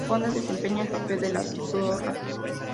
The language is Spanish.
Fonda desempeña el papel de la Dra.